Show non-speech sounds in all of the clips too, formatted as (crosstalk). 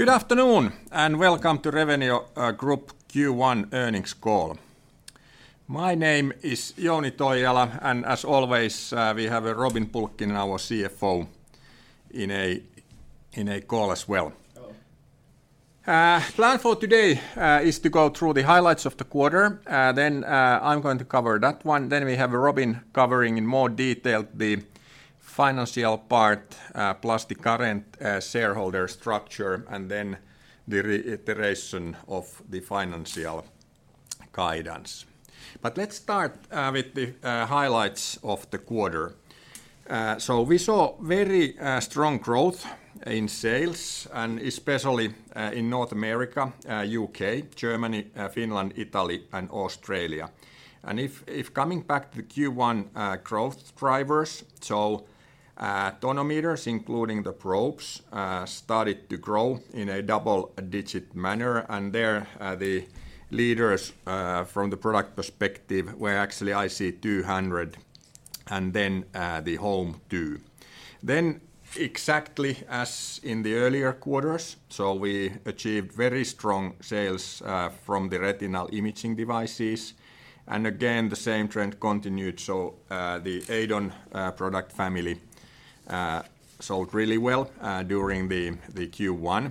Good afternoon. Welcome to Revenio Group Q1 Earnings Call. My name is Jouni Toijala. As always, we have Robin Pulkkinen, our CFO, in a call as well. Plan for today is to go through the highlights of the quarter, then I'm going to cover that one. We have Robin covering in more detail the financial part, plus the current shareholder structure, and then the re-iteration of the financial guidance. Let's start with the highlights of the quarter. We saw very strong growth in sales and especially in North America, U.K., Germany, Finland, Italy, and Australia. If coming back to the Q1 growth drivers, tonometers, including the probes, started to grow in a double-digit manner, and there the leaders from the product perspective were actually IC200 and then the HOME2. Exactly as in the earlier quarters, we achieved very strong sales from the retinal imaging devices. Again, the same trend continued, the EIDON product family sold really well during the Q1,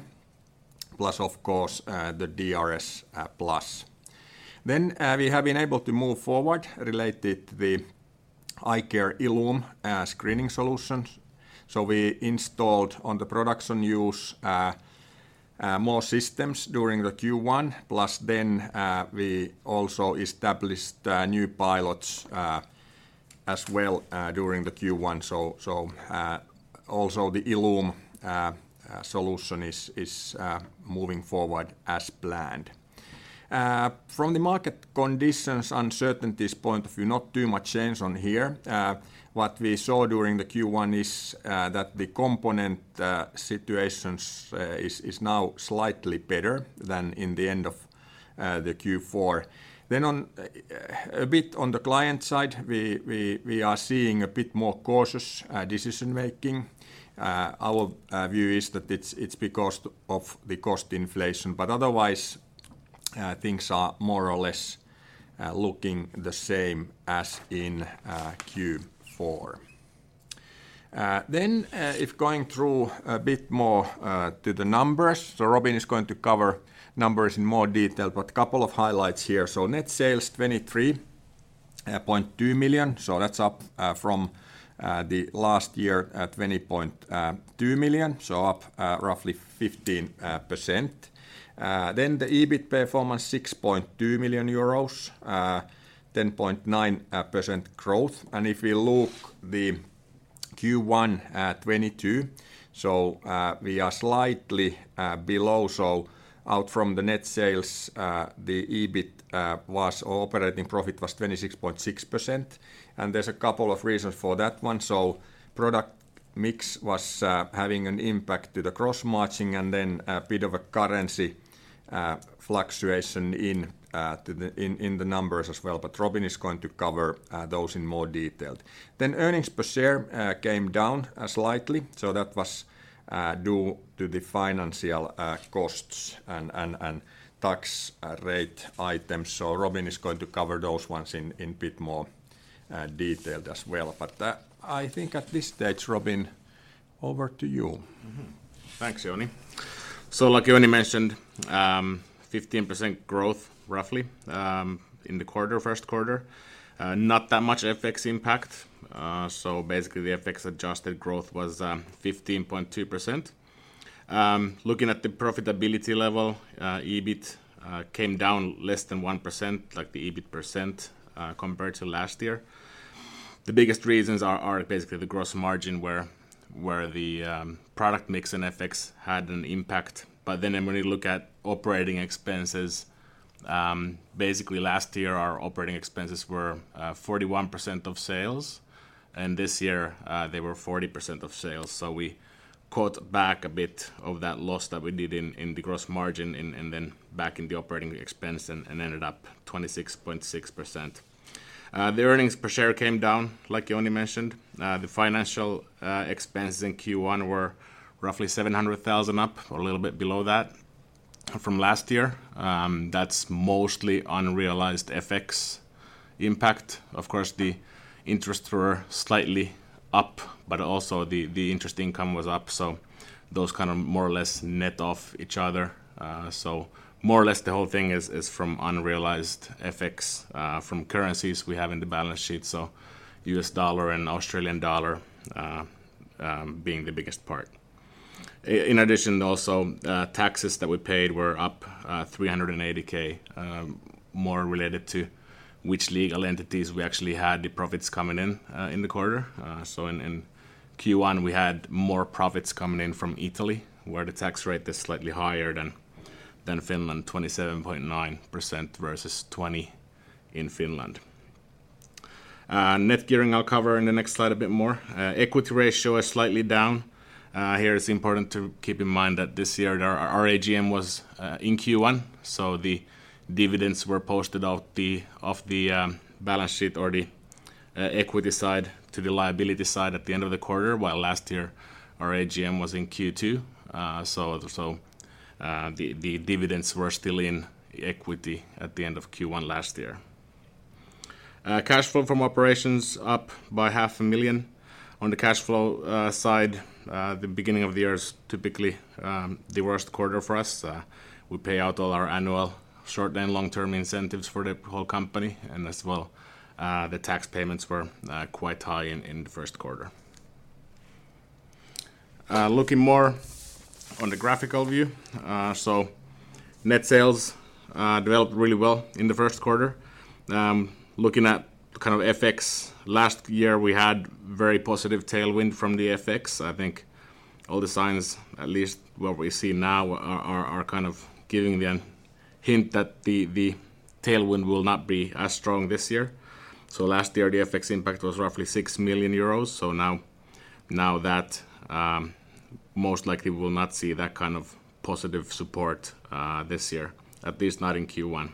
plus of course, the DRSplus. We have been able to move forward related to the iCare ILLUME screening solutions. We installed on the production use more systems during the Q1, plus then we also established new pilots as well during the Q1. Also the ILLUME solution is moving forward as planned. From the market conditions, uncertainties point of view, not too much change on here. What we saw during the Q1 is that the component situations is now slightly better than in the end of the Q4. On a bit on the client side, we are seeing a bit more cautious decision-making. Our view is that it's because of the cost inflation. Otherwise, things are more or less looking the same as in Q4. If going through a bit more to the numbers, so Robin is going to cover numbers in more detail, but a couple of highlights here. Net sales, 23.2 million, so that's up from the last year at 20.2 million, so up roughly 15%. The EBIT performance, 6.2 million euros, 10.9% growth. If we look the Q1 2022, we are slightly below. Out from the net sales, operating profit was 26.6%, and there's a couple of reasons for that one. Product mix was having an impact to the gross margin and then a bit of a currency fluctuation in the numbers as well, but Robin is going to cover those in more detail. Earnings per share came down slightly, that was due to the financial costs and tax rate items. Robin is going to cover those ones in bit more detail as well. I think at this stage, Robin, over to you. Thanks, Jouni. Like Jouni mentioned, 15% growth roughly in the quarter, first quarter. Not that much FX impact, basically the FX-adjusted growth was 15.2%. Looking at the profitability level, EBIT came down less than 1%, like the EBIT percent, compared to last year. The biggest reasons are basically the gross margin where the product mix and FX had an impact. When we look at operating expenses, basically last year our operating expenses were 41% of sales, this year they were 40% of sales. We cut back a bit of that loss that we did in the gross margin and then back in the operating expense and ended up 26.6%. The earnings per share came down, like Jouni mentioned. The financial expenses in Q1 were roughly 700,000 up or a little bit below that from last year. That's mostly unrealized FX impact. Of course, the interest were slightly up, but also the interest income was up, so those kind of more or less net off each other. More or less the whole thing is from unrealized FX from currencies we have in the balance sheet, so U.S. dollar and Australian dollar being the biggest part. In addition also, taxes that we paid were up 380,000, more related to which legal entities we actually had the profits coming in in the quarter. In Q1, we had more profits coming in from Italy where the tax rate is slightly higher than Finland, 27.9% versus 20% in Finland. Net gearing I'll cover in the next slide a bit more. Equity ratio is slightly down. Here it's important to keep in mind that this year our AGM was in Q1, so the dividends were posted off the balance sheet or the equity side to the liability side at the end of the quarter, while last year our AGM was in Q2. The dividends were still in equity at the end of Q1 last year. Cash flow from operations up by 500,000. On the cash flow side, the beginning of the year is typically the worst quarter for us. We pay out all our annual short and long-term incentives for the whole company, as well, the tax payments were quite high in the first quarter. Looking more on the graphical view. Net sales developed really well in the first quarter. Looking at kind of FX, last year we had very positive tailwind from the FX. I think all the signs, at least what we see now are kind of giving the hint that the tailwind will not be as strong this year. Last year the FX impact was roughly 6 million euros. Now that most likely we will not see that kind of positive support this year, at least not in Q1.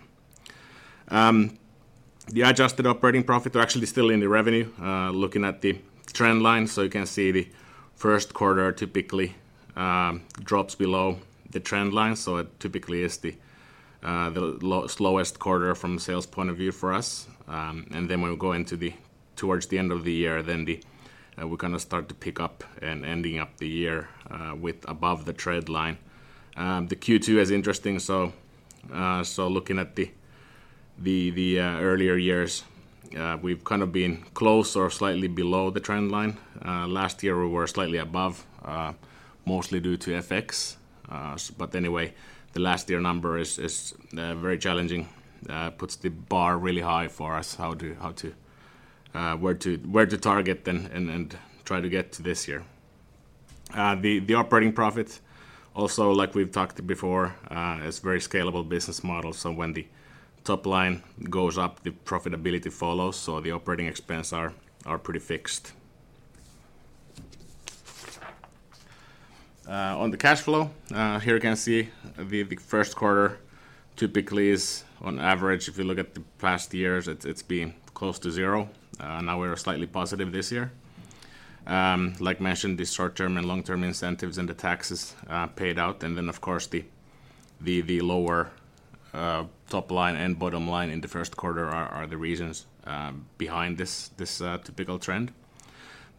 The adjusted operating profit are actually still in the revenue. Looking at the trend line, you can see the first quarter typically drops below the trend line. It typically is the slowest quarter from a sales point of view for us. When we go towards the end of the year, then we kind of start to pick up and ending up the year with above the trend line. The Q2 is interesting. Looking at the earlier years, we've kind of been close or slightly below the trend line. Last year we were slightly above, mostly due to FX. Anyway, the last year number is very challenging. Puts the bar really high for us, how to, where to target then and try to get to this year. The operating profit also, like we've talked before, is very scalable business model. When the top line goes up, the profitability follows. The operating expense are pretty fixed. On the cash flow, here you can see the first quarter typically is on average, if you look at the past years, it's been close to zero. Now we're slightly positive this year. Like mentioned, the short-term and long-term incentives and the taxes paid out and then of course the lower top line and bottom line in the first quarter are the reasons behind this typical trend.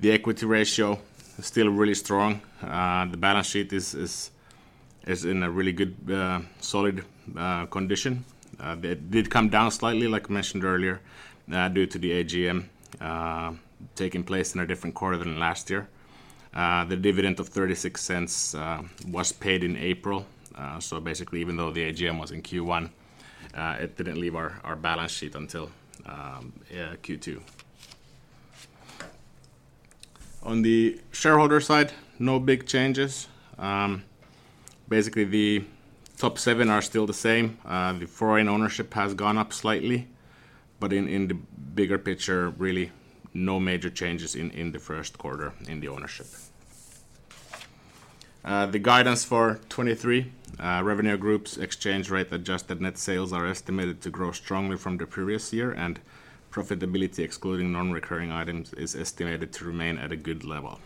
The equity ratio still really strong. The balance sheet is in a really good, solid condition. They did come down slightly, like mentioned earlier, due to the AGM taking place in a different quarter than last year. The dividend of 0.36 was paid in April. Even though the AGM was in Q1, it didn't leave our balance sheet until Q2. On the shareholder side, no big changes. The top seven are still the same. The foreign ownership has gone up slightly, but in the bigger picture, really no major changes in the first quarter in the ownership. The guidance for 2023, Revenio Group's exchange rate adjusted net sales are estimated to grow strongly from the previous year, and profitability excluding non-recurring items is estimated to remain at a good level.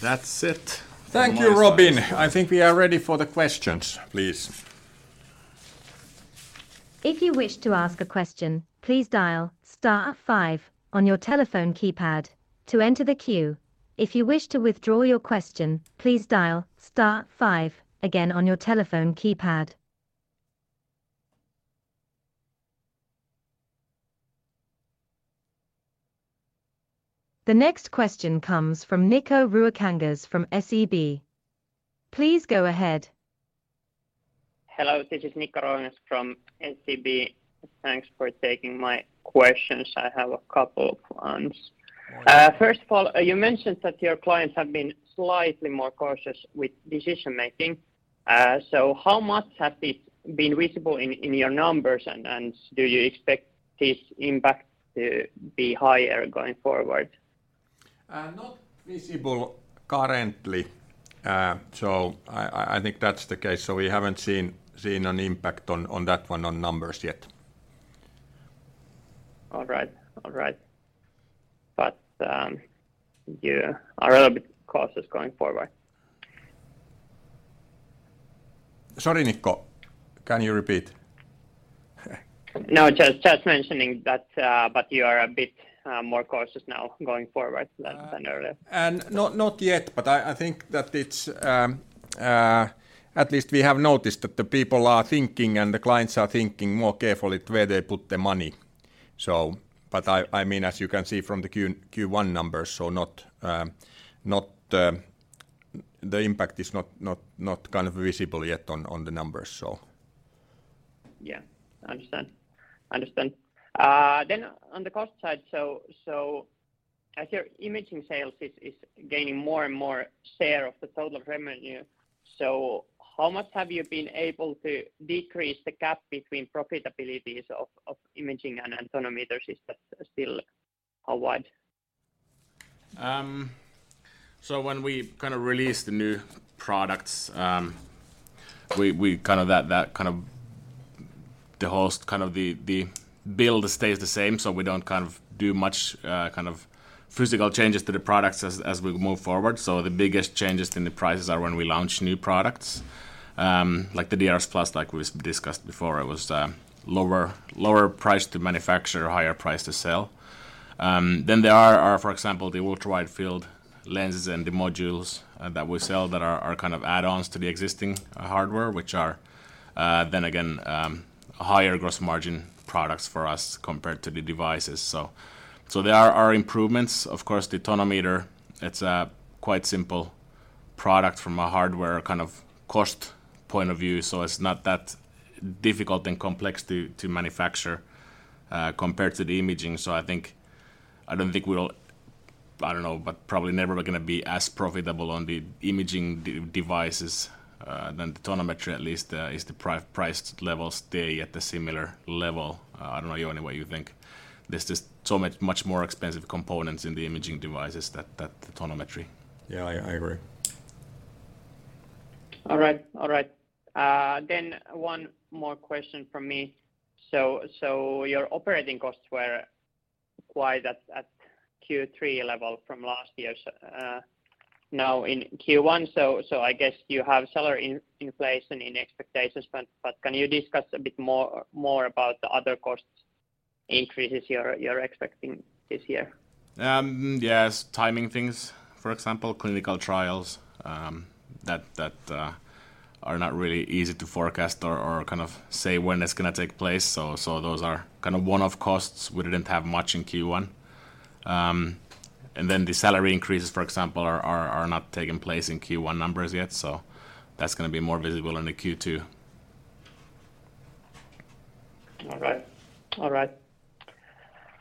That's it. (crosstalk) Thank you, Robin. I think we are ready for the questions, please. If you wish to ask a question, please dial star five on your telephone keypad to enter the queue. If you wish to withdraw your question, please dial star five again on your telephone keypad. The next question comes from Nikko Ruokangas from SEB. Please go ahead. Hello, this is Nikko Ruokangas from SEB. Thanks for taking my questions. I have a couple of ones. First of all, you mentioned that your clients have been slightly more cautious with decision-making. How much has this been visible in your numbers? Do you expect this impact to be higher going forward? Not visible currently. I think that's the case. We haven't seen an impact on that one on numbers yet. All right. All right. you are a little bit cautious going forward. Sorry, Nikko, can you repeat? No, just mentioning that, you are a bit, more cautious now going forward than earlier. Not yet, I think that it's at least we have noticed that the people are thinking and the clients are thinking more carefully where they put their money. I mean, as you can see from the Q1 numbers, the impact is not kind of visible yet on the numbers, so. Yeah. Understand. Understand. On the cost side, as your imaging sales is gaining more and more share of the total revenue, how much have you been able to decrease the gap between profitabilities of imaging and tonometer systems are still a what? When we kind of release the new products, we kind of that kind of the host, kind of the build stays the same, so we don't kind of do much, kind of physical changes to the products as we move forward. The biggest changes in the prices are when we launch new products, like the DRSplus, like we discussed before, it was lower price to manufacture, higher price to sell. Then there are for example, the Ultra-Widefield lenses and the modules, that we sell that are kind of add-ons to the existing hardware, which are then again, higher gross margin products for us compared to the devices. There are improvements. Of course, the tonometer, it's a quite simple product from a hardware kind of cost point of view, so it's not that difficult and complex to manufacture, compared to the imaging. I don't think we'll, I don't know, but probably never gonna be as profitable on the imaging devices than the tonometry at least, is the price level stay at the similar level. I don't know, Jouni, what you think. There's just so much more expensive components in the imaging devices that the tonometry. Yeah, I agree. All right. All right. One more question from me. Your operating costs were quite at Q3 level from last year's now in Q1, so I guess you have salary in place and in expectations, but can you discuss a bit more about the other costs increases you're expecting this year? Yes. Timing things, for example, clinical trials, that are not really easy to forecast or kind of say when it's gonna take place. Those are kind of one-off costs. We didn't have much in Q1. The salary increases, for example, are not taking place in Q1 numbers yet, so that's gonna be more visible in the Q2. All right. All right.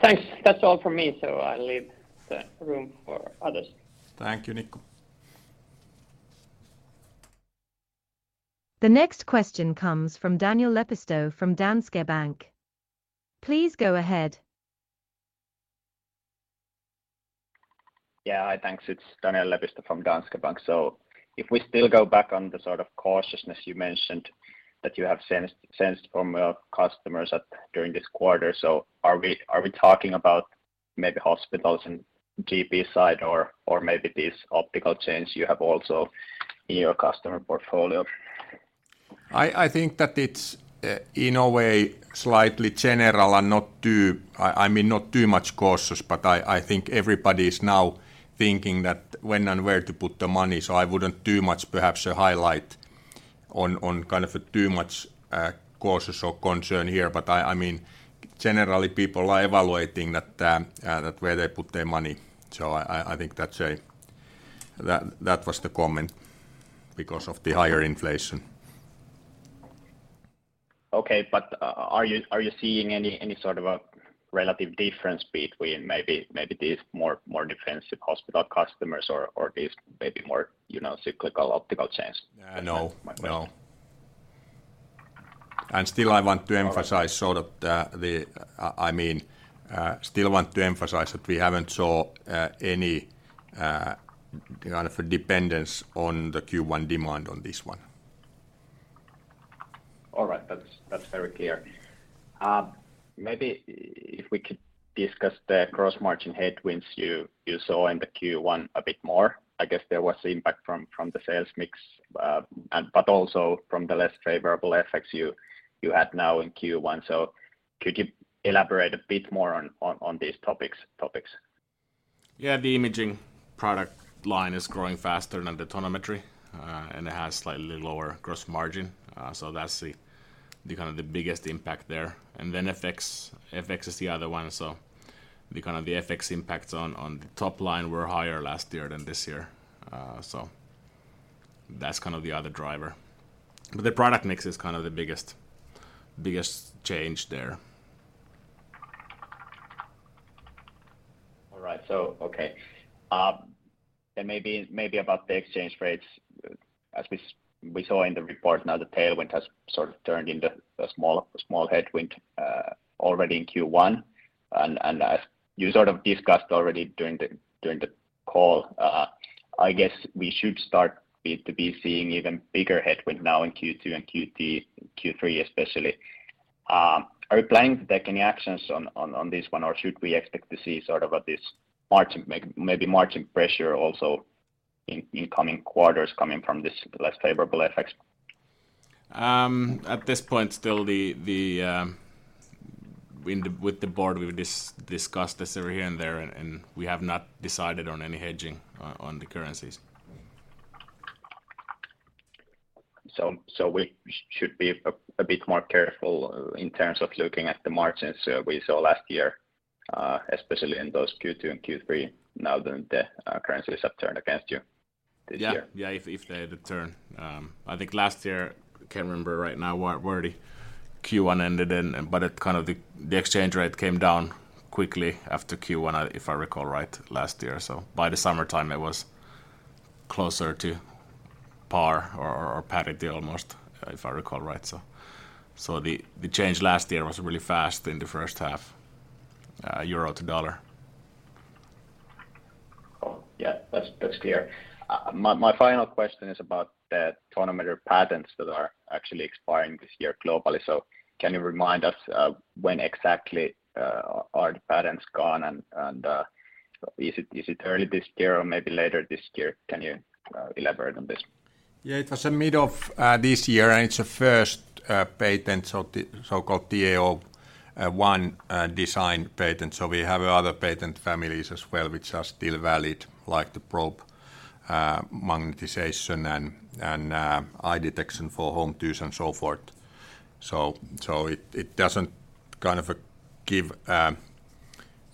Thanks. That's all for me, so I'll leave the room for others. Thank you, Nikko. The next question comes from Daniel Lepistö from Danske Bank. Please go ahead. Hi. Thanks. It's Daniel Lepistö from Danske Bank. If we still go back on the sort of cautiousness you mentioned that you have sensed from customers at during this quarter, so are we talking about maybe hospitals and GP side or maybe these optical chains you have also in your customer portfolio? I think that it's in a way slightly general and I mean, not too much cautious. I think everybody is now thinking that when and where to put the money, I wouldn't too much perhaps highlight on kind of too much cautious or concern here. I mean, generally people are evaluating that where they put their money. I think that was the comment because of the higher inflation. Okay. Are you seeing any sort of a relative difference between maybe these more defensive hospital customers or these maybe more, you know, cyclical optical chains? No. No. Still I want to emphasize sort of the, I mean, still want to emphasize that we haven't saw any kind of dependence on the Q1 demand on this one. All right. That's, that's very clear. Maybe if we could discuss the gross margin headwinds you saw in the Q1 a bit more. I guess there was impact from the sales mix, and also from the less favorable effects you had now in Q1. Could you elaborate a bit more on these topics? Yeah. The imaging product line is growing faster than the tonometry, and it has slightly lower gross margin. That's the kind of the biggest impact there. FX is the other one. The kind of the FX impact on the top line were higher last year than this year. That's kind of the other driver. The product mix is kind of the biggest change there. All right. Okay. Maybe about the exchange rates. As we saw in the report, now the tailwind has sort of turned into a small headwind already in Q1. As you sort of discussed already during the call, I guess we should start it to be seeing even bigger headwind now in Q2 and Q3 especially. Are you planning to take any actions on this one, or should we expect to see sort of this margin, maybe margin pressure also in incoming quarters coming from this less favorable effects? At this point, still the With the board, we've discussed this here and there and we have not decided on any hedging on the currencies. We should be a bit more careful in terms of looking at the margins we saw last year, especially in those Q2 and Q3 now that the currencies have turned against you this year. Yeah. Yeah. If, if they had turned. I think last year, can't remember right now where the Q1 ended in, but it kind of the exchange rate came down quickly after Q1, if I recall right last year. By the summertime, it was closer to. Par or parity almost, if I recall right. The change last year was really fast in the first half, euro to dollar. Oh, yeah. That's clear. My final question is about the tonometer patents that are actually expiring this year globally. Can you remind us when exactly are the patents gone and is it early this year or maybe later this year? Can you elaborate on this? Yeah. It was the mid of this year, it's the first so-called TA01 design patent. We have other patent families as well which are still valid, like the probe magnetization and eye detection for home use and so forth. It doesn't kind of a give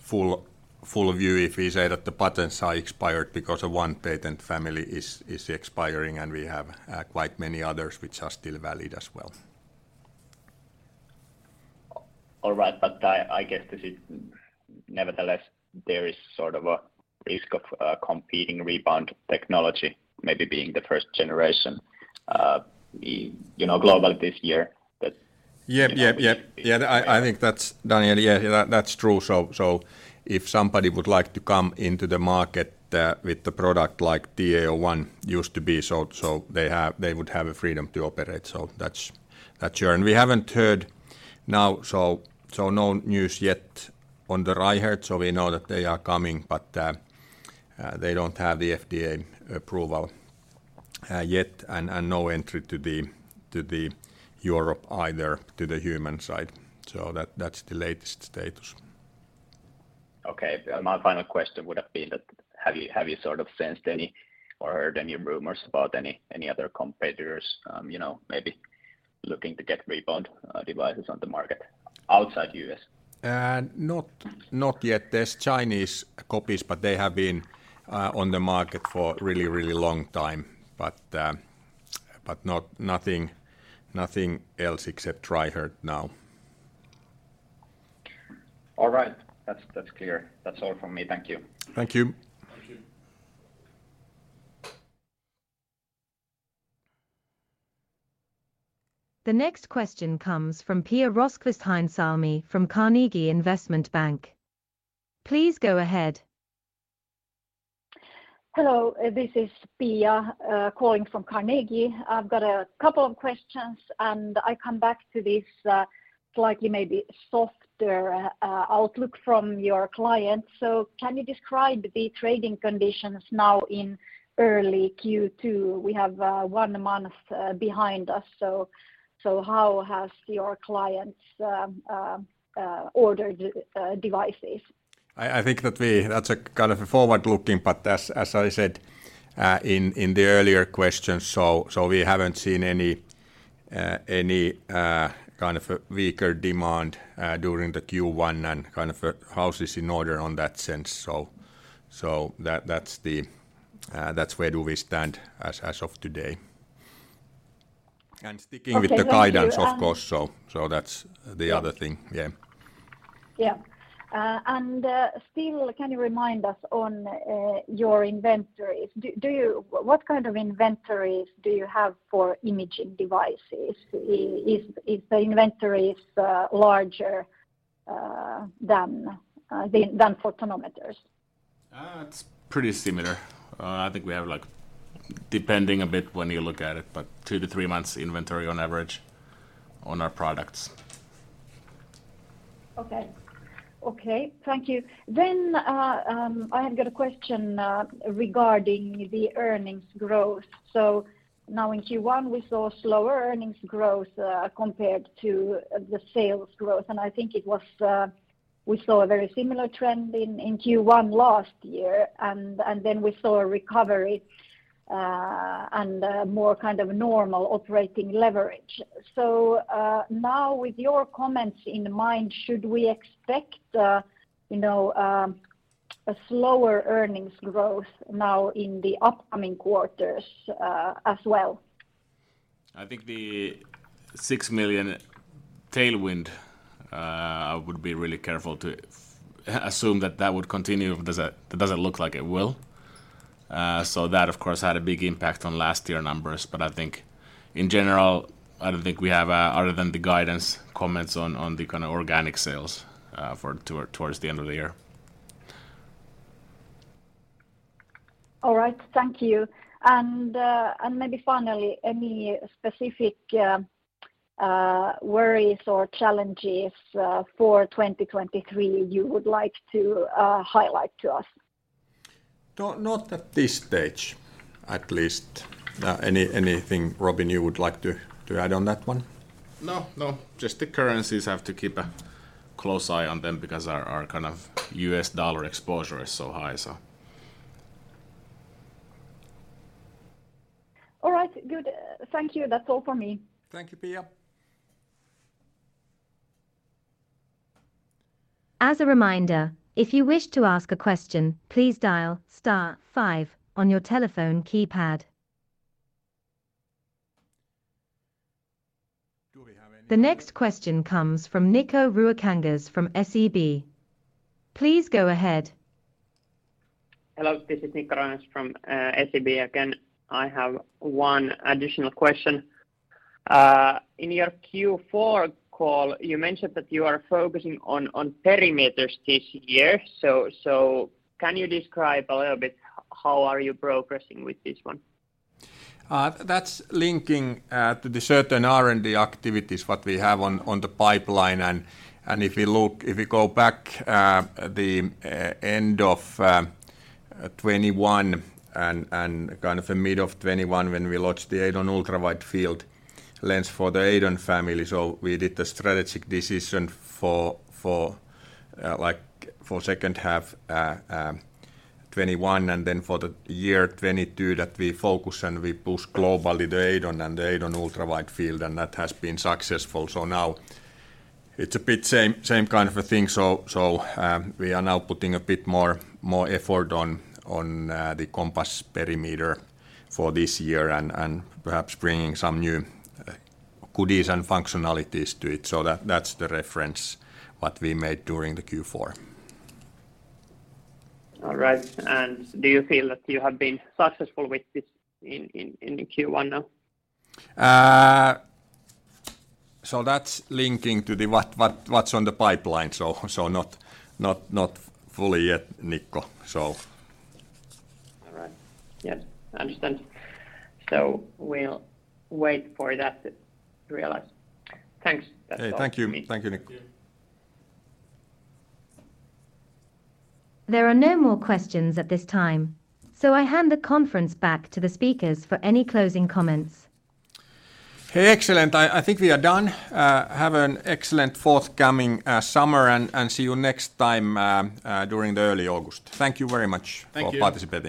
full view if we say that the patents are expired because one patent family is expiring and we have quite many others which are still valid as well. All right. I guess this is nevertheless there is sort of a risk of a competing rebound technology maybe being the first generation, in, you know, global this year. Yeah. Yeah. You know. Yeah. I think that's... Daniel, yeah, that's true. If somebody would like to come into the market with the product like TA01 used to be, so they would have a freedom to operate. That's sure. We haven't heard now, so no news yet on the Reichert, so we know that they are coming. They don't have the FDA approval yet and no entry to the Europe either to the human side. That's the latest status. Okay. My final question would have been that have you sort of sensed any or heard any rumors about any other competitors, you know, maybe looking to get rebound devices on the market outside U.S.? Not yet. There's Chinese copies, but they have been on the market for a really, really long time. Nothing else except Reichert now. All right. That's clear. That's all from me. Thank you. Thank you. The next question comes from Pia Rosqvist-Heinsalmi from Carnegie Investment Bank. Please go ahead. Hello, this is Pia, calling from Carnegie. I've got a couple of questions, and I come back to this, slightly maybe softer, outlook from your clients. Can you describe the trading conditions now in early Q2? We have one month behind us. How has your clients ordered devices? I think that we. That's a kind of a forward-looking, but as I said, in the earlier questions, so we haven't seen any kind of a weaker demand during the Q1 and kind of a houses in order on that sense. That's the, that's where do we stand as of today. Sticking with the guidance- Okay. Thank you.... of course. That's the other thing. Yeah. Yeah. Still can you remind us on your inventories. What kind of inventories do you have for imaging devices? Is the inventories larger than for tonometers? It's pretty similar. I think we have like depending a bit when you look at it, but two to three months inventory on average on our products. Okay. Okay. Thank you. I have got a question regarding the earnings growth. Now in Q1, we saw slower earnings growth compared to the sales growth, and I think it was we saw a very similar trend in Q1 last year. Then we saw a recovery and more kind of normal operating leverage. Now with your comments in mind, should we expect, you know, a slower earnings growth now in the upcoming quarters as well? I think the 6 million tailwind, I would be really careful to assume that that would continue. Does it doesn't look like it will. That of course, had a big impact on last year numbers. I think in general, I don't think we have other than the guidance comments on the kind of organic sales towards the end of the year. All right. Thank you. Maybe finally, any specific worries or challenges for 2023 you would like to highlight to us? No, not at this stage, at least. Anything, Robin, you would like to add on that one? No, no. Just the currencies have to keep a close eye on them because our kind of U.S. dollar exposure is so high, so. All right. Good. Thank you. That's all for me. Thank you, Pia. As a reminder, if you wish to ask a question, please dial star five on your telephone keypad. The next question comes from Nikko Ruokangas from SEB. Please go ahead. Hello, this is Nikko Ruokangas from SEB again. I have one additional question. In your Q4 call, you mentioned that you are focusing on perimeters this year. Can you describe a little bit how are you progressing with this one? That's linking to the certain R&D activities, what we have on the pipeline. If you go back the end of 2021 and kind of a mid of 2021 when we launched the EIDON Ultra-Widefield lens for the EIDON family. We did the strategic decision for like for second half 2021 and then for the year 2022 that we focus and we push globally the EIDON and the EIDON Ultra-Widefield, and that has been successful. Now it's a bit same kind of a thing. We are now putting a bit more effort on the Compass perimeter for this year and perhaps bringing some new goodies and functionalities to it. That's the reference what we made during the Q4. All right. Do you feel that you have been successful with this in the Q1 now? That's linking to the what's on the pipeline. not fully yet, Nikko... All right. Yes, I understand. We'll wait for that to realize. Thanks. That's all from me. Hey, thank you. Thank you, Nikko. There are no more questions at this time, so I hand the conference back to the speakers for any closing comments. Hey, excellent. I think we are done. Have an excellent forthcoming summer and see you next time during the early August. Thank you very much. Thank you. For participating.